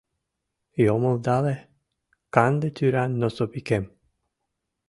Йомылдале канде тӱран носовикем.